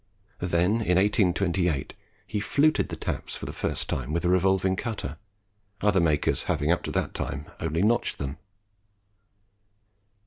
Then, in 1828, he fluted the taps for the first time with a revolving cutter, other makers having up to that time only notched them.